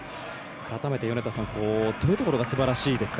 改めて、どういうところがすばらしいですか？